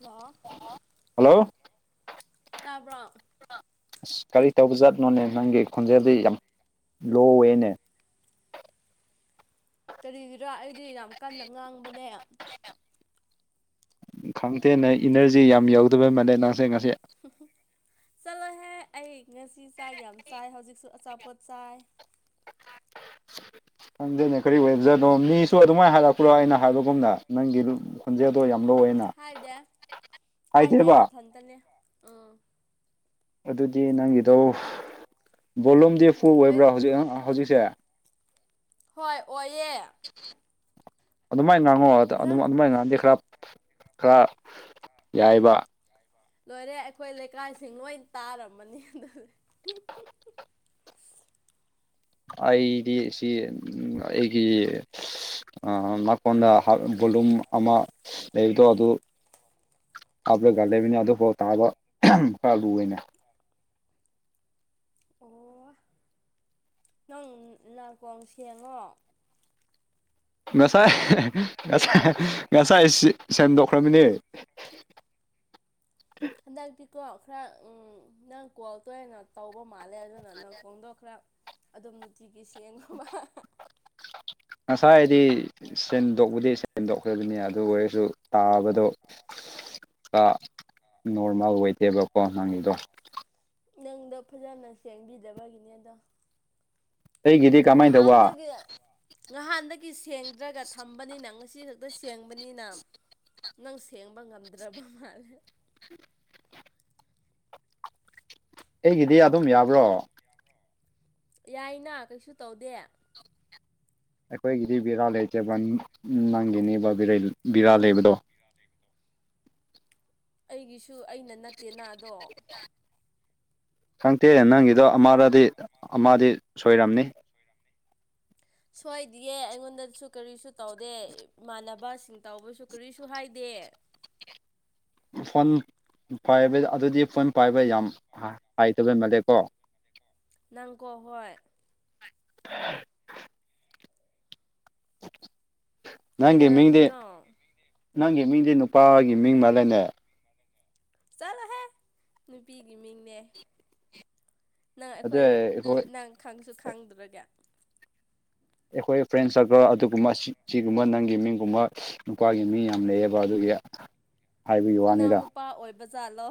ꯂ ꯍꯜꯂꯣ ꯇꯥꯕ꯭ꯔꯣ ꯑꯁ ꯀꯔꯤ ꯇꯧꯕ ꯆꯠꯅꯣꯅꯦ ꯅꯪꯒꯤ ꯈꯣꯟꯖꯦꯜꯗꯤ ꯌꯥꯝ ꯂꯣꯋꯦꯅꯦ ꯀꯔꯤꯒꯤꯔ ꯑꯩꯗꯤ ꯌꯥꯝ ꯀꯟꯅ ꯉꯥꯡꯕꯅꯦ ꯈꯪꯇꯦꯅ ꯏꯅꯔꯖꯤ ꯌꯥꯝ ꯌꯥꯎꯗꯕꯩ ꯃꯥꯜꯂꯦ ꯅꯁꯦ ꯉꯁꯤꯦ ꯆꯠꯂꯣꯍꯦ ꯑꯩ ꯉꯁꯤ ꯆꯥꯛ ꯌꯥꯝ ꯆꯥꯏ ꯍꯧꯖꯤꯛꯁꯨ ꯑꯆꯥꯄꯣꯠ ꯆꯥꯏ ꯈꯪꯗꯅꯦꯋꯣ ꯃꯤꯁꯨ ꯑꯗꯨꯃꯥꯏꯅ ꯍꯜꯂꯛꯄ ꯄꯨꯔꯥ ꯑꯩꯅ ꯍꯥꯏꯕꯒꯨꯝꯅ ꯅꯪꯒꯤ ꯈꯣꯟꯖꯦꯜꯗꯣ ꯌꯥꯝ ꯂꯧꯋꯦꯅ ꯍꯥꯏꯗꯦꯕ ꯇꯅꯤꯦ ꯎꯝ ꯑꯗꯨꯗꯤ ꯅꯪꯒꯤꯗꯣ ꯕꯣꯂꯨꯝꯗꯤ ꯐꯨ ꯑꯩ ꯑꯣꯏꯕ꯭ꯔꯣ ꯍꯧꯖꯤꯛ ꯍꯧꯖꯤꯛꯁꯦ ꯍꯣꯏ ꯑꯣꯏꯌꯦ ꯑꯗꯨꯃꯥꯏꯅ ꯉꯥꯡꯉꯣ ꯑꯗꯨꯝ ꯅꯪ ꯑꯗꯨꯃꯥꯏꯅ ꯉꯥꯡꯗꯗꯤ ꯈꯔ ꯈꯔ ꯌꯥꯏꯕ ꯂꯣꯏꯔꯦ ꯑꯩꯈꯣꯏ ꯂꯩꯀꯥꯏꯁꯤꯡ ꯂꯣꯏ ꯇꯥꯔꯃꯅꯤ ꯑꯗꯨꯗꯤ ꯑꯩꯗꯤ ꯁꯤ ꯎꯝ ꯑꯩꯒꯤ ꯅꯥꯀꯣꯟꯗ ꯕꯣꯂꯨꯝ ꯑꯃ ꯂꯩꯕꯗꯣ ꯑꯗꯨ ꯀꯂꯒꯗꯦꯕꯤꯅꯦ ꯑꯗꯨ ꯐꯥꯎ ꯇꯥꯕ ꯀꯂꯨꯅꯦ ꯑꯣ ꯅꯪ ꯅꯥꯀꯣꯡ ꯁꯦꯡꯉꯣ ꯉꯁꯥꯏ ꯉꯁꯥꯏ ꯉꯁꯥꯏ ꯁꯦꯝꯦꯟꯗꯈ꯭ꯔꯃꯤꯅꯤ ꯎ ꯍꯟꯗꯛꯇꯤꯀꯣ ꯈꯔ ꯅꯪ ꯀꯣꯜ ꯇꯧꯢꯅ ꯇꯧꯕ ꯃꯥꯜꯂꯦ ꯑꯗꯨꯅ ꯅꯀꯣꯡꯗꯣ ꯈꯔ ꯑꯗꯨꯝ ꯅꯨꯡꯇꯤꯒꯤ ꯁꯦꯡꯉꯣꯕ ꯉꯁꯥꯏꯗꯤ ꯁꯦꯟꯗꯣꯛꯕꯗꯤ ꯁꯦꯟꯗꯣꯛꯈ꯭ꯔꯕꯅꯤ ꯑꯗꯨ ꯑꯣꯏꯔꯁꯨ ꯇꯥꯕꯗꯣ ꯅꯣꯔꯃꯦꯜ ꯑꯣꯏꯇꯦꯕꯀꯣ ꯅꯪꯒꯤꯗꯣ ꯅꯪꯗꯣ ꯐꯖꯅ ꯁꯦꯡꯕꯤꯗꯕꯒꯤꯅꯦ ꯑꯗꯣ ꯑꯩꯒꯤꯗꯤ ꯀꯃꯥꯏꯅ ꯇꯧꯕ ꯉꯍꯥꯟꯗꯒꯤ ꯉꯍꯥꯟꯗꯒꯤ ꯁꯦꯡꯗ꯭ꯔꯒ ꯊꯝꯕꯅꯤꯅ ꯉꯁꯤ ꯗ ꯁꯦꯡꯕꯅꯤꯅ ꯅꯪ ꯁꯦꯡꯕ ꯉꯝꯗ꯭ꯔꯥꯕ ꯃꯥꯜꯂꯦ ꯑꯩꯒꯤꯗꯤ ꯑꯗꯨꯝ ꯌꯥꯕ꯭ꯔꯣ ꯌꯥꯏꯅ ꯀꯩꯁꯨ ꯇꯧꯗꯦ ꯑꯩꯈꯣꯏꯒꯤꯗꯤ ꯕꯤꯔꯥ ꯂꯩꯇꯦꯕꯜ ꯅꯪꯒꯤꯅꯦꯕ ꯕꯤꯔꯥꯜ ꯂꯩꯕꯗꯣ ꯑꯩꯒꯤꯁꯨ ꯑꯩꯅ ꯅꯠꯇꯦ ꯅꯅꯥꯗꯣ ꯈꯪꯗꯦꯅꯦ ꯅꯪꯒꯤꯗꯣ ꯑꯃꯗꯗꯤ ꯑꯃꯗꯤ ꯁꯣꯏꯔꯝꯅꯤ ꯁꯣꯏꯗꯤꯌꯦ ꯑꯩꯉꯣꯟꯗꯁꯨ ꯀꯔꯤꯁꯨ ꯇꯧꯗꯦ ꯏꯃꯥꯟꯅꯕꯁꯤꯡ ꯇꯧꯕꯁꯨ ꯀꯔꯤꯁꯨ ꯍꯥꯏꯗꯦ ꯐꯣꯟ ꯄꯥꯏꯕ ꯑꯗꯨꯗꯤ ꯐꯣꯟ ꯄꯥꯏꯕ ꯌꯥꯝ ꯍꯥꯏꯇꯕꯩ ꯃꯥꯜꯂꯦꯀꯣ ꯅꯪꯀꯣ ꯍꯣꯏ [inaudible] ꯅꯒꯤ ꯃꯤꯗꯤ ꯀꯩꯗꯧꯔꯝꯃꯤꯅꯣ ꯅꯪꯒꯤ ꯃꯤꯡꯗꯤ ꯅꯨꯄꯥꯒꯤ ꯃꯤꯡ ꯃꯥꯜꯂꯅꯦ ꯆꯠꯂꯣꯍꯦ ꯅꯨꯄꯤꯒꯤ ꯃꯤꯡꯅꯦ ꯅꯪ ꯑꯩꯈꯣꯏ ꯅꯪ ꯈꯪꯁꯨ ꯈꯪꯗ꯭ꯔꯒꯥ ꯑꯩꯈꯣꯏ ꯐ꯭ꯔꯦꯟ ꯁꯔꯀꯜ ꯑꯗꯨꯒꯨꯝꯕ ꯁꯤꯒꯨꯝꯕ ꯅꯪꯒꯤ ꯃꯤꯡꯒꯨꯝꯕ ꯅꯨꯄꯥꯒꯤ ꯃꯤ ꯌꯥꯝ ꯂꯩꯑꯕ ꯑꯗꯨꯒꯤ ꯍꯥꯏꯕꯒꯤ ꯋꯥꯅꯤꯗ ꯏꯅꯥꯎꯅꯨꯄꯥ ꯑꯣꯏꯕ ꯖꯥꯠꯂꯣ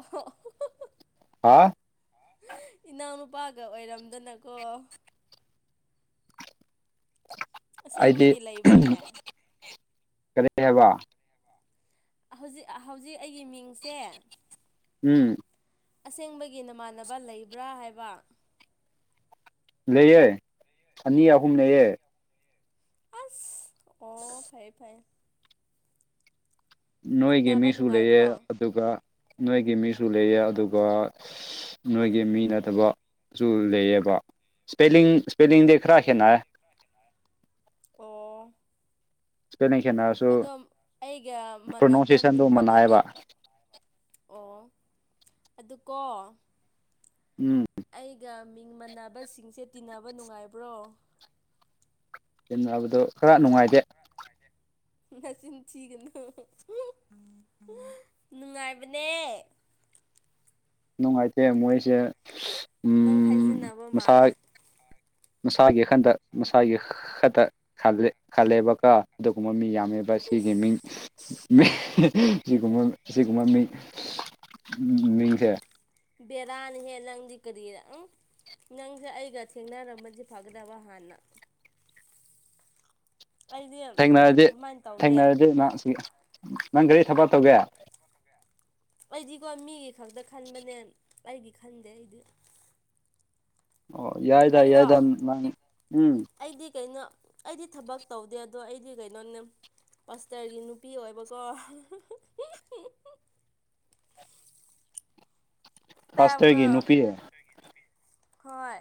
ꯍꯥ ꯏꯅꯥꯎ ꯅꯨꯄꯥꯒ ꯑꯣꯏꯔꯝꯗꯅꯀꯣ ꯑꯩꯗꯤ ꯑꯁꯦꯡꯕꯒꯤ ꯂꯩꯕ꯭ꯔꯣꯅꯦ ꯀꯔꯤ ꯍꯥꯏꯕ ꯍꯧꯖꯤꯛ ꯍꯧꯖꯤꯛ ꯑꯩꯒꯤ ꯃꯤꯡꯁꯦ ꯎꯝ ꯑꯁꯦꯡꯕꯒꯤ ꯅꯃꯥꯟꯅꯕ ꯂꯩꯕ꯭ꯔꯥ ꯍꯥꯏꯕ ꯂꯩꯌꯦ ꯑꯅꯤ ꯑꯍꯨꯝ ꯂꯩꯌꯦ ꯑꯁ ꯑꯣ ꯐꯩ ꯐꯩ ꯅꯣꯏꯒꯤ ꯅꯥꯕ ꯃꯤꯁꯨ ꯂꯩꯌꯦ ꯅꯨꯡꯉꯥꯏꯕ꯭ꯔꯣ ꯑꯗꯨꯒ ꯅꯣꯏꯒꯤ ꯃꯤꯁꯨ ꯂꯩꯌꯦ ꯑꯗꯨꯒ ꯅꯣꯏꯒꯤ ꯃꯤ ꯅꯠꯇꯕꯁꯨꯨ ꯂꯩꯌꯦꯕ ꯁꯄꯦꯂꯤꯡ ꯁꯄꯦꯂꯤꯡꯗꯤ ꯈꯔ ꯈꯩꯅꯥꯢꯌꯦ ꯑꯣ ꯁꯄꯦꯂꯤꯡ ꯈꯦꯠꯅ ꯑꯗꯣ ꯑꯩꯒ ꯃꯥꯟꯅꯕ ꯃꯤꯡ ꯃꯥꯟꯅꯕ ꯃꯅꯥꯏꯌꯦꯕ ꯑꯣ ꯑꯗꯨꯀꯣ ꯎꯝ ꯑꯩꯒ ꯃꯤꯡ ꯃꯥꯟꯕꯁꯤꯡꯁꯦ ꯇꯤꯟꯅꯕ ꯅꯨꯡꯉꯥꯏꯕ꯭ꯔꯣ ꯇꯤꯟꯅꯕꯗꯣ ꯈꯔ ꯅꯨꯡꯉꯥꯏꯇꯦ ꯅꯆꯤꯟ ꯊꯤꯒꯅꯨ ꯅꯨꯡꯉꯥꯏꯕꯅꯦ ꯅꯨꯡꯉꯥꯏꯇꯦ ꯃꯣꯏꯁꯦ ꯅꯪ ꯎꯝ ꯍꯥꯏꯖꯤꯟꯅꯕ ꯃꯁꯥ ꯃꯥꯜꯂꯦ ꯃꯁꯥꯒꯤ ꯈꯟꯗ ꯃꯁꯥꯒꯤ ꯈꯛꯇ ꯈꯜꯂꯦ ꯈꯜꯂꯦꯕꯀ ꯑꯗꯨꯒꯨꯝꯕ ꯃꯤ ꯌꯥꯝꯃꯦ ꯁꯤꯒꯤ ꯃꯤꯡ ꯏꯁ ꯁꯤꯒꯨꯝ ꯃꯤꯡ ꯎꯝ ꯃꯤꯡꯖꯦ ꯕꯦꯔꯥꯅꯤꯍꯦ ꯅꯪꯗꯤ ꯀꯔꯤꯔꯥ ꯅꯪꯁꯦ ꯑꯩꯒ ꯊꯦꯡꯅꯔꯝꯃꯗꯤ ꯐꯒꯗꯕ ꯍꯥꯟꯅ ꯑꯩꯗꯤ ꯊꯦꯡꯅꯔꯗꯤ ꯑꯗꯨꯃꯥꯏꯅ ꯇꯧꯗꯦ ꯊꯦꯡꯅꯔꯗꯤ ꯅ ꯁꯤ ꯅꯪ ꯀꯔꯤ ꯊꯕꯛ ꯇꯧꯒꯦ ꯑꯩꯗꯤꯀꯣ ꯃꯤꯒꯤ ꯈꯛꯇ ꯈꯟꯕꯅꯦ ꯑꯩꯒꯤ ꯈꯟꯗꯦ ꯑꯩꯗꯤ ꯑꯣ ꯌꯥꯏꯗ ꯑꯩꯔꯣ ꯌꯥꯏꯗ ꯅꯪ ꯎꯝ ꯑꯩꯗꯤ ꯀꯩꯅꯣ ꯑꯩꯗꯤ ꯊꯕꯛ ꯇꯧꯗꯦ ꯑꯗꯣ ꯑꯩꯗꯤ ꯀꯩꯅꯣꯅꯦ ꯄꯁꯇꯔꯒꯤ ꯅꯨꯄꯤ ꯑꯣꯏꯕꯀꯣ ꯇꯥꯕ ꯄꯥꯁꯇꯔꯒꯤ ꯅꯨꯄꯤ ꯍꯣꯏ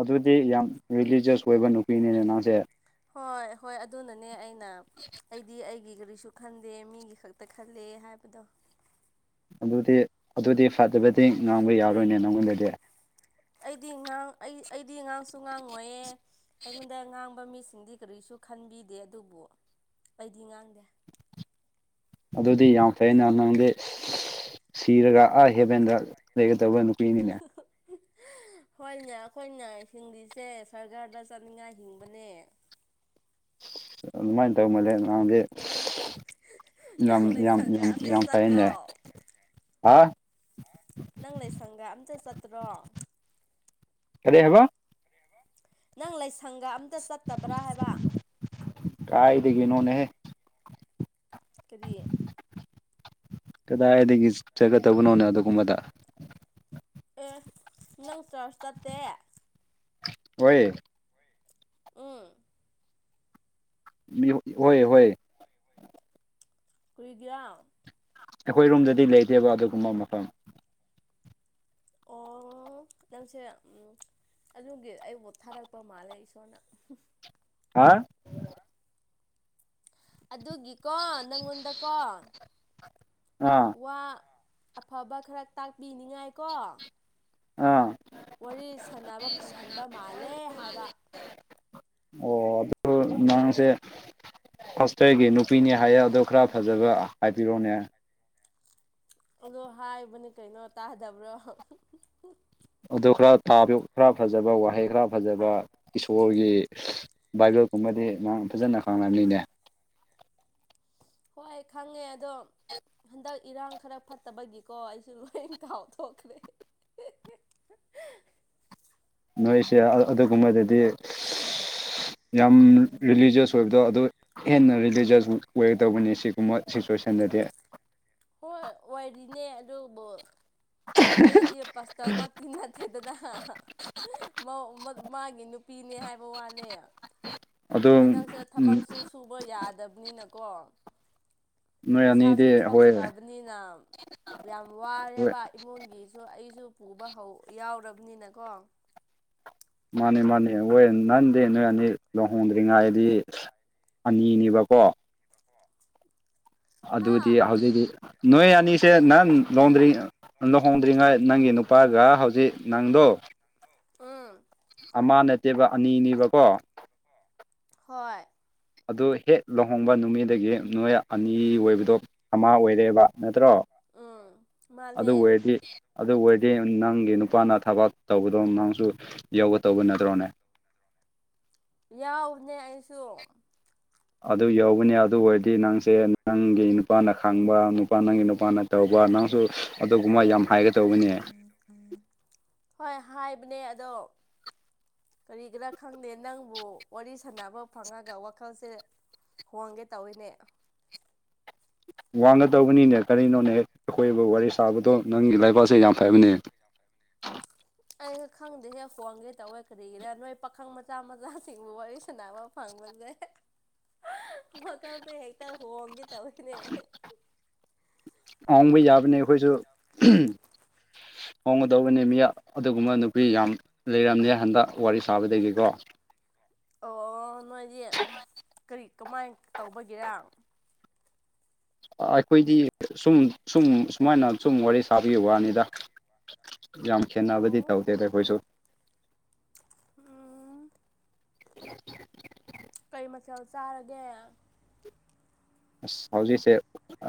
ꯑꯗꯨꯗꯤ ꯌꯥꯝ ꯔꯤꯂꯤꯖꯁ ꯑꯣꯏꯕ ꯅꯨꯄꯤꯅꯤꯅꯦ ꯅꯁꯦ ꯍꯣꯏ ꯍꯣꯏ ꯑꯗꯨꯅꯅꯦ ꯑꯩꯅ [inaudible] ꯑꯩꯗꯤ ꯑꯩꯒꯤ ꯀꯔꯤꯁꯨ ꯈꯟꯗꯦ ꯃꯤꯒꯤ ꯈꯛꯇ ꯈꯜꯂꯦ ꯍꯥꯏꯕꯗꯣ ꯑꯗꯨꯗꯤ ꯑꯗꯨꯗꯤ ꯐꯠꯇꯕꯗꯤ ꯉꯥꯡꯕ ꯌꯥꯎꯔꯣꯏꯅꯦ ꯅꯪꯉꯣꯟꯗꯗꯤ ꯑꯩꯗꯤ ꯉꯥꯡ ꯑꯩ ꯑꯩꯗꯤ ꯉꯥꯡꯁꯨ ꯉꯥꯡꯉꯣꯏꯌꯦ ꯑꯩꯉꯣꯟꯗ ꯉꯥꯡꯕ ꯃꯤꯁꯤꯡꯗꯤ ꯀꯔꯤꯁꯨ ꯈꯟꯕꯤꯗꯦ ꯑꯗꯨꯕꯨ ꯑꯩꯗꯤ ꯉꯥꯡꯗꯦ ꯑꯗꯨꯗꯤ ꯌꯥꯝ ꯐꯩꯅ ꯅꯪꯗꯤ ꯁꯤꯔꯒ ꯑꯥ ꯍꯦꯕꯦꯟꯗ ꯂꯩꯒꯗꯧꯕ ꯅꯨꯄꯤꯅꯤꯅꯦ ꯍꯣꯏꯅꯦ ꯑꯩꯈꯣꯏꯅ ꯍꯤꯡꯂꯤꯁꯦ ꯁꯔꯒꯥꯗ ꯆꯠꯅꯤꯡꯉꯥꯏ ꯍꯤꯡꯕꯅꯦ ꯑꯗꯨꯃꯥꯏꯅ ꯇꯧꯃꯜꯂꯦ ꯅꯍꯥꯡꯗꯤ ꯅꯪ ꯌꯥꯝ ꯂꯥꯏꯁꯪꯒ ꯌꯥꯝ ꯑꯝꯇ ꯌꯥꯝ ꯐꯩꯅꯦ ꯆꯠꯇ꯭ꯔꯣ ꯍꯥ ꯅꯪ ꯂꯩꯁꯪꯒ ꯑꯝꯇ ꯆꯠꯇ꯭ꯔꯣ ꯀꯂ ꯍꯕ ꯅꯪ ꯂꯥꯏꯁꯪꯒ ꯑꯝꯇ ꯆꯠꯇꯕ꯭ꯔꯥ ꯍꯥꯏꯕ ꯀꯏꯗꯒꯤꯗꯒꯤ ꯏꯅꯣꯅꯦ ꯀꯔꯤ ꯀꯗꯥꯏꯗꯒꯤ ꯆꯠꯒꯗꯧꯕꯅꯣꯅꯦ ꯑꯗꯨꯒꯨꯝꯕꯗ ꯑꯦ ꯅꯪ ꯆꯔꯆ ꯆꯠꯇꯦ ꯑꯣꯏꯣꯏ ꯎꯝ ꯃꯤ ꯍꯣꯏ ꯍꯣꯏ ꯀꯨꯔꯤꯗ꯭ꯔ ꯑꯩꯈꯣꯏ ꯔꯨꯝꯗꯗꯤ ꯂꯩꯇꯦꯕ ꯑꯗꯨꯒꯨꯝꯕ ꯃꯐꯝ ꯑꯣ ꯅꯪꯁꯦ ꯑꯗꯨꯒꯤ ꯑꯩꯕꯨꯠ ꯊꯥꯗꯔꯛꯄ ꯃꯥꯜꯂꯦ ꯏꯁꯣꯔꯅ ꯍꯥ ꯑꯗꯨꯒꯤꯀꯣ ꯅꯪꯉꯣꯟꯗꯀꯣ ꯑꯥ ꯋꯥ ꯑꯐꯕ ꯈꯔ ꯇꯥꯛꯄꯤꯅꯤꯉꯥꯏꯀꯣ ꯑꯥ ꯋꯥꯔꯤ ꯁꯥꯟꯅꯕ ꯐꯪꯍꯟꯕ ꯃꯥꯜꯂꯦ ꯍꯥꯏꯕ ꯑꯣ ꯑꯗꯨ ꯅꯪꯁꯦ ꯐꯁꯇꯣꯏꯒꯤ ꯅꯨꯄꯤꯅꯦ ꯍꯥꯏꯌꯦ ꯑꯗꯣ ꯈꯔ ꯐꯖꯕ ꯍꯥꯏꯕꯤꯔꯣꯅꯦ ꯑꯗꯣ ꯍꯥꯏꯕꯅꯤ ꯀꯩꯅꯣ ꯇꯥꯗꯕ꯭ꯔꯣ ꯑꯗꯨ ꯈꯔꯥ ꯈꯔ ꯐꯖꯕ ꯋꯥꯍꯩ ꯈꯔ ꯐꯖꯕ ꯀꯤꯁꯣꯔꯒꯤ ꯕꯥꯏꯕꯜꯒꯨꯝꯕꯗꯤ ꯅ ꯐꯖꯅ ꯍꯥꯡꯝ ꯂꯩꯅꯦ ꯍꯣꯏ ꯈꯪꯉꯦ ꯑꯗꯣ ꯍꯟꯗꯛ ꯏꯔꯥꯡ ꯈꯔ ꯐꯠꯇꯕꯒꯤꯀꯣ ꯑꯩꯁꯨ ꯂꯣꯏ ꯀꯥꯎꯊꯣꯛꯈ꯭ꯔꯦ ꯅꯣꯏꯁꯦ ꯑꯗꯨꯒꯨꯝꯕꯗꯗꯤ ꯌꯥꯝ ꯔꯤꯂꯤꯖꯁ ꯊꯣꯏꯕꯗꯣ ꯑꯗꯨ ꯍꯦꯟꯅ ꯔꯤꯂꯤꯖꯁ ꯋꯦ ꯇꯧꯕꯅꯤ ꯁꯤꯒꯨꯝꯕ ꯁꯤꯆꯨꯋꯦꯁꯟꯗꯗꯤ ꯍꯣꯏ ꯑꯣꯏꯔꯤꯅꯦ ꯑꯗꯨꯕꯨ ꯑꯩꯗꯤ ꯄꯁꯇꯔꯃꯛꯇꯤ ꯅꯠꯇꯦꯗꯅ ꯃꯥꯒꯤ ꯅꯨꯄꯤꯅꯦ ꯍꯥꯏꯕ ꯋꯥꯅꯦ ꯑꯗꯣ ꯍꯟꯗꯛꯁꯦ ꯊꯕꯛꯁꯨ ꯁꯨꯕ ꯌꯥꯗꯕꯅꯤꯅꯀꯣ ꯅꯣꯏ ꯄꯩꯁꯥꯁꯨ ꯑꯅꯤꯗꯤ ꯍꯣꯏ ꯊꯣꯛꯛꯇ꯭ꯔꯕꯅꯤꯅ ꯌꯥꯝ ꯍꯣꯏ ꯋꯥꯔꯦꯕ ꯏꯃꯨꯡꯒꯤ ꯑꯣ ꯑꯩꯁꯨ ꯄꯨꯕ ꯍꯧ ꯌꯥꯎꯔꯕꯅꯤꯅꯀꯣ ꯃꯥꯅꯤ ꯃꯥꯅꯤ ꯍꯣꯏ ꯅꯍꯥꯟꯗꯤ ꯅꯣꯏ ꯑꯅꯤ ꯂꯨꯍꯣꯡꯗ꯭ꯔꯤꯉꯥꯏꯗꯤ ꯑꯅꯤꯅꯦꯕꯀꯣ ꯗꯀꯣ ꯑꯗꯨꯗꯤ ꯍꯧꯖꯤꯛꯇꯤ ꯅꯣꯏ ꯑꯅꯤꯁꯦ ꯅꯍꯥꯟ ꯂꯣꯡꯗ꯭ꯔꯤ ꯂꯨꯍꯣꯡꯗ꯭ꯔꯤꯉꯥꯏ ꯅꯪꯒꯤ ꯅꯨꯄꯥꯒ ꯍꯧꯖꯤꯛ ꯅꯪꯗꯣ ꯎꯝ ꯑꯃ ꯅꯠꯇꯦꯕ ꯑꯅꯤꯅꯦꯕꯀꯣ ꯍꯣꯏ ꯑꯗꯨ ꯍꯦꯛ ꯂꯨꯍꯣꯡꯕ ꯅꯨꯃꯤꯠꯗꯒꯤ ꯅꯣꯏ ꯑꯅꯤ ꯑꯣꯏꯕꯗꯣ ꯑꯃ ꯑꯣꯏꯔꯦꯕ ꯅꯠꯇ꯭ꯔꯣ ꯎꯝ ꯑꯗꯨ ꯃꯥꯅꯦ ꯑꯣꯏꯔꯗꯤ ꯑꯗꯨ ꯑꯣꯏꯔꯗꯤ ꯅꯪꯒꯤ ꯅꯨꯄꯥꯅ ꯊꯕꯛ ꯇꯧꯕꯗꯣ ꯃꯥꯡꯁꯨ ꯌꯧꯒꯗꯧꯕ ꯅꯠꯇ꯭ꯔꯣꯅꯦ ꯌꯥꯎꯕꯅꯦ ꯑꯩꯁꯨ ꯑꯗꯨ ꯌꯥꯎꯕꯅꯦ ꯑꯗꯨ ꯑꯣꯏꯔꯗꯤ ꯅꯪꯁꯦ ꯅꯪꯒꯤ ꯅꯨꯄꯥꯅ ꯈꯪꯕ ꯅꯨꯄꯥ ꯅꯪꯒꯤ ꯅꯨꯄꯥꯅ ꯇꯧꯕ ꯅꯪꯁꯨ ꯑꯗꯨꯒꯨꯝꯕ ꯌꯥꯝ ꯍꯥꯏ ꯍꯣꯏ ꯍꯥꯏꯕꯅꯦ ꯑꯗꯣ ꯀꯔꯤꯒꯔꯥ ꯈꯪꯗꯦ ꯅꯪꯕꯨ ꯋꯥꯔꯤ ꯁꯥꯟꯅꯕ ꯐꯪꯉꯒ ꯋꯥꯈꯜꯁꯦ ꯍꯣꯡꯒꯦ ꯇꯧꯋꯤꯅꯦ ꯋꯥꯡꯒꯗꯧꯕꯅꯤꯅꯦ ꯀꯔꯤꯅꯣꯅꯦ ꯍꯦꯛ ꯑꯩꯈꯣꯏꯕꯨ ꯋꯥꯔꯤ ꯁꯥꯕꯗꯣ ꯅꯪꯒꯤ ꯂꯥꯏꯕꯥꯛꯁꯦ ꯌꯥꯝ ꯐꯕꯅꯦ ꯑꯩ ꯈꯪꯗꯦ ꯍꯦ ꯐꯣꯟꯗꯤ ꯇꯧꯋꯦ ꯀꯔꯤꯒꯤꯔ ꯅꯣꯏ ꯄꯥꯈꯪ ꯃꯆꯥ ꯃꯆꯥꯁꯤꯡꯕꯨ ꯋꯥꯔꯤ ꯁꯥꯟꯅꯕ ꯐꯪꯕꯁꯦ ꯃꯈꯜꯁꯦ ꯍꯦꯛꯇ ꯍꯣꯡꯒꯦ ꯇꯧꯔꯤꯅꯦ ꯍꯣꯟꯕ ꯌꯥꯕꯅꯤ ꯑꯩꯈꯣꯏꯁꯨ ꯍꯣꯡꯒꯗꯧꯕꯅꯤ ꯃꯤ ꯑꯗꯨꯒꯨꯝꯕ ꯅꯨꯄꯤ ꯌꯥꯝ ꯂꯩꯔꯝꯅꯦ ꯍꯟꯗꯛ ꯋꯥꯔꯤ ꯁꯥꯕꯗꯒꯤꯀꯣ ꯑꯣ ꯅꯣꯏꯗꯤ ꯀꯔꯤ ꯀꯃꯥꯏ ꯇꯧꯕꯒꯤꯦꯔ ꯑꯩꯈꯣꯏꯗꯤ ꯁꯨꯝ ꯁꯨꯝ ꯁꯨꯃꯥꯏꯅ ꯁꯨꯝ ꯋꯥꯔꯤ ꯁꯥꯕꯒꯤ ꯋꯥꯅꯤꯗ [inaudible] ꯌꯥꯝ ꯈꯦꯠꯅꯕꯗꯤ ꯑꯣ ꯇꯧꯗꯦꯗ ꯑꯩꯈꯣꯏꯁꯨ ꯎꯝ ꯀꯩ ꯃꯆꯦꯜ ꯆꯥꯔꯒꯦ ꯑꯁ ꯍꯧꯖꯤꯛꯁꯦ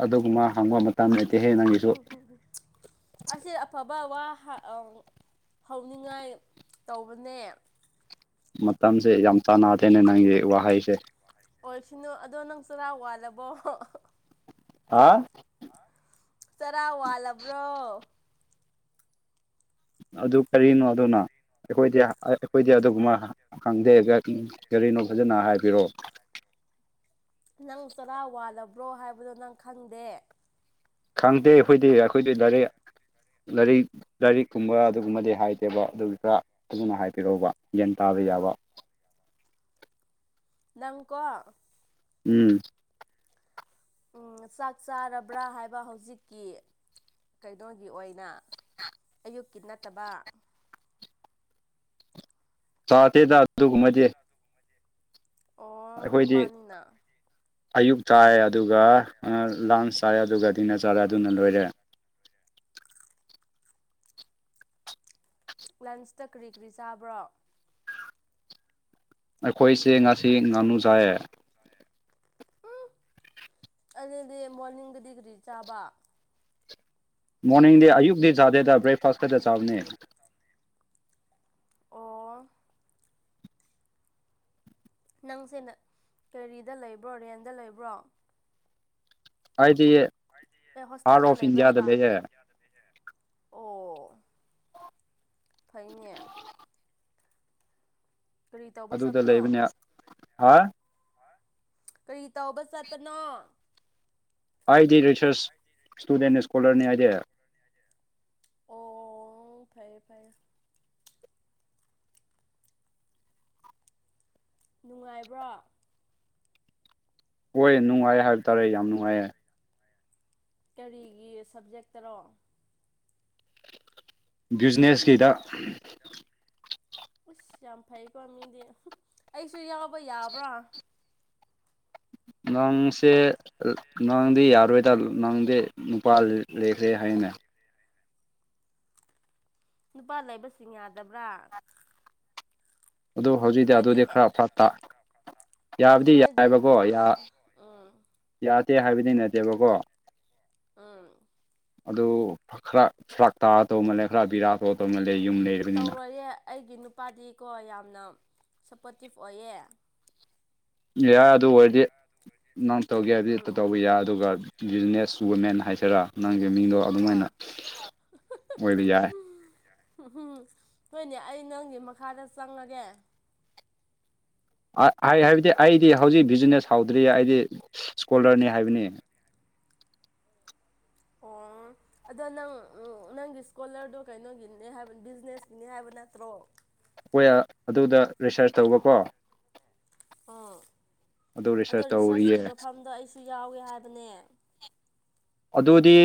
ꯑꯗꯨꯒꯨꯝꯕ ꯍꯪꯕ ꯃꯇꯝ ꯇꯝ ꯂꯩꯇꯦ ꯍ [unintelligible] ꯑꯁꯤ ꯑꯐꯕ ꯋꯥ ꯍꯧꯅꯤꯡꯉꯥꯏ ꯇꯧꯕꯅꯦ ꯃꯇꯝꯁꯦ ꯌꯥꯝ ꯆꯥꯟꯅꯗꯦꯅꯦ ꯅꯪꯒꯤ ꯋꯥꯍꯩꯁꯦ ꯑꯣꯏꯁꯅꯨ ꯑꯗꯣ ꯅꯪ ꯆꯔꯥ ꯋꯥꯜꯂꯕꯣ ꯍꯥ ꯆꯔꯥ ꯋꯥꯜꯂꯕ꯭ꯔꯣ ꯑꯗꯨ ꯀꯔꯤꯅꯣ ꯑꯗꯨꯅ ꯑꯩꯈꯣꯏꯗꯤ ꯑꯩꯈꯣꯏꯗꯤ ꯑꯗꯨꯒꯨꯝꯕ ꯈꯪꯗꯦ ꯀꯔꯤꯅꯣ ꯐꯖꯅ ꯍꯥꯏꯕꯤꯑꯣ ꯅꯪ ꯆꯔꯥ ꯋꯥꯜꯂꯕ꯭ꯔꯣ ꯍꯥꯏꯕꯗꯣ ꯅꯪ ꯈꯪꯗꯦ ꯈꯪꯗꯦ ꯑꯩꯈꯣꯏꯗꯤ ꯑꯩꯈꯣꯏꯗꯤ ꯂꯥꯏꯔꯤꯛ ꯂꯥꯏꯔꯤꯛ ꯂꯥꯏꯔꯤꯛꯀꯨꯝꯕ ꯑꯗꯨꯒꯨꯝꯕꯗꯤ ꯍꯥꯏꯗꯦꯕ ꯑꯗꯨꯒꯤ ꯈꯔ ꯑꯗꯨꯅ ꯍꯥꯏꯕꯤꯔꯛꯎꯕ ꯒ꯭ꯌꯥꯟ ꯇꯥꯕ ꯌꯥꯕ ꯅꯪꯀꯣ ꯎꯝ ꯎ ꯆꯥꯛ ꯆꯥꯔꯕ꯭ꯔꯥ ꯍꯥꯏꯕ ꯍꯧꯖꯤꯛꯀꯤ ꯀꯩꯅꯣꯒꯤ ꯑꯣꯏꯅ ꯑꯌꯨꯛꯀꯤ ꯅꯠꯇꯕ ꯆꯥꯗꯦꯗ ꯑꯗꯨꯒꯨꯝꯕ ꯗꯤ ꯑꯣ ꯅꯨꯄꯥꯅꯤꯅ ꯑꯌꯨꯛ ꯆꯥꯏ ꯑꯗꯨꯒ ꯅꯨꯡꯗ ꯆꯥꯏ ꯑꯗꯨꯒ ꯗꯤꯅ ꯆꯥꯔꯦ ꯑꯗꯨꯅ ꯂꯣꯏꯔꯦ ꯂꯟꯁꯇ ꯀꯔꯤ ꯀꯔꯤ ꯆꯥꯕ꯭ꯔꯣ ꯑꯩꯈꯣꯏꯁꯦ ꯉꯁꯤ ꯉꯥꯅꯨ ꯆꯥꯏꯌꯦ ꯎꯝ ꯑꯗꯨꯗꯤ ꯃꯣꯔꯅꯤꯡꯗꯗꯤ ꯀꯔꯤ ꯆꯥꯕ ꯃꯣꯔꯅꯤꯡꯗꯤ ꯑꯌꯨꯛꯇꯤ ꯆꯥꯗꯦꯗ ꯕ꯭ꯔꯦꯛꯐꯥꯁ ꯈꯛꯇ ꯆꯥꯕꯅꯦꯕ ꯑꯣ ꯅꯪꯁꯦ ꯀꯦꯔꯤꯗ ꯂꯩꯕ꯭ꯔꯣ ꯔꯦꯟꯗ ꯂꯩꯕ꯭ꯔꯣ ꯍꯥꯏꯥꯏꯗꯤꯦ ꯑꯦ ꯍꯣꯁꯇꯦꯜꯗ ꯂꯩꯕ꯭ꯔꯥ ꯍꯥꯏꯕ ꯑꯣ ꯐꯩꯅꯦ ꯀꯔꯤ ꯇꯧꯕ ꯑꯗꯨꯗ ꯆꯠꯄꯅꯣ ꯂꯩꯕꯅꯦ ꯍꯥ ꯀꯔꯤ ꯇꯧꯕ ꯆꯠꯄꯅꯣ ꯑꯩꯗꯤ ꯔꯤꯁꯔꯁ ꯏꯁꯇꯨꯗꯦꯟ ꯏꯁꯀꯣꯂꯔꯅꯤ ꯍꯥꯏꯗꯤ ꯑꯣ ꯐꯩꯔꯦ ꯐꯩꯔꯦ ꯅꯨꯡꯉꯥꯏꯕ꯭ꯔꯥ ꯍꯣꯏ ꯅꯨꯡꯉꯥꯏ ꯍꯥꯏꯕ ꯇꯥꯔꯦ ꯌꯥꯝ ꯅꯨꯡꯉꯥꯏꯌꯦ ꯀꯔꯤꯒꯤ ꯁꯕꯖꯦꯛꯇꯔꯣ ꯕꯤꯖꯤꯅꯦꯁꯀꯤꯗ ꯌꯌꯨꯁꯅꯦꯁꯁꯤꯗ ꯏꯁꯁ ꯌꯥꯝ ꯐꯩꯀꯣ ꯃꯤꯗꯤ ꯑꯩꯁꯨ ꯌꯥꯎꯕ ꯌꯥꯕ꯭ꯔꯥ ꯅꯣꯡꯁꯦ ꯅꯪꯗꯤ ꯌꯥꯔꯣꯏꯗ ꯅꯪꯗꯤ ꯅꯨꯄꯥ ꯂꯩꯈ꯭ꯔꯦ ꯍꯥꯏꯅꯦ ꯅꯨꯄꯥ ꯂꯩꯕꯁꯤꯡ ꯌꯥꯗꯕ꯭ꯔꯥ ꯑꯗꯨ ꯍꯧꯖꯤꯛꯇꯤ ꯅꯣꯏꯗꯤ ꯑꯗꯨꯗꯤ ꯑꯦ ꯈꯔ ꯐꯠꯇ ꯌꯥꯕꯨꯗꯤ ꯅꯣꯏꯗꯤ ꯌꯥꯏꯕꯀꯣ ꯑꯪꯀꯜ ꯎꯝ ꯌꯥꯗꯦ ꯍꯥꯏꯕꯗꯤ ꯅꯠꯇꯦꯕꯀꯣ ꯑꯥ ꯑꯗꯨ ꯈꯔ ꯐꯔꯥꯛ ꯇꯥꯔ ꯇꯧ ꯃꯜꯂꯦ ꯈꯔ ꯕꯤꯔꯥ ꯇꯧꯔ ꯇꯧ ꯃꯜꯂꯦ ꯌꯨꯝ ꯂꯩꯔ ꯇꯧꯔꯣꯏꯌꯦꯦ ꯑꯩꯒꯤ ꯅꯨꯄꯥꯗꯤꯀꯣ ꯌꯥꯝꯅ ꯁꯞꯄꯣꯔꯇꯤꯞ ꯑꯣꯏꯌꯦ ꯌꯥꯏ ꯑꯗꯨ ꯑꯣꯏꯔꯗꯤ ꯅꯪ ꯇꯧꯒꯦ ꯍꯥꯏꯗꯤ ꯎꯝ ꯇꯧꯕ ꯌꯥꯏ ꯑꯗꯨꯒ ꯕꯤꯖꯤꯅꯦꯁ ꯆꯨꯕꯃꯦꯟ ꯍꯥꯏꯁꯤꯔꯥ ꯅꯪꯒꯤꯦ ꯃꯤꯡꯗꯣ ꯍꯣꯏ ꯑꯗꯨꯝꯃꯥꯏꯅ ꯑꯣꯏꯕ ꯌꯥꯏ ꯎꯝ ꯎꯝ ꯍꯣꯏꯅꯦ ꯑꯩ ꯅꯪꯒꯤ ꯃꯈꯥꯗ ꯆꯪꯉꯒꯦ ꯍꯥꯏ ꯍꯥꯏꯕꯗꯤ ꯑꯩꯗꯤ ꯍꯧꯖꯤꯛ ꯕꯤꯖꯤꯅꯦꯁ ꯍꯥꯎꯗ꯭ꯔꯤ ꯑꯩꯗꯤ ꯏꯁꯀꯣꯂꯔꯅꯤ ꯍꯥꯏꯕꯅꯤ ꯑꯣꯨꯡ ꯑꯗꯣ ꯅꯪ ꯅꯪꯒꯤ ꯏꯁꯀꯣꯂꯔꯗꯣ ꯀꯩꯅꯣꯒꯤꯅꯦ ꯍꯥꯏꯕ ꯕꯤꯖꯤꯅꯦꯁꯀꯤꯅꯦ ꯍꯥꯏꯕ ꯅꯠꯇ꯭ꯔꯣ ꯑꯩꯈꯣꯏ ꯑꯗꯨꯗ ꯔꯤꯁꯥꯔꯁ ꯇꯧꯕꯀꯣ ꯑꯥ ꯑꯗꯨ ꯑꯗꯣ ꯔꯤꯁꯔꯁ ꯇꯧꯔꯤꯌꯦ ꯔꯤꯁꯔꯁꯀꯤ ꯃꯐꯝꯗꯣ ꯑꯩꯁꯨ ꯌꯥꯎꯋꯦ ꯍꯥꯏꯕꯅꯦ ꯑꯗꯨꯗꯤ